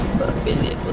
bapak pilih ibu